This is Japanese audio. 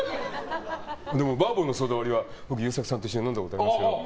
でも、バーボンのソーダ割りは優作さんと一緒に飲んだことありますよ。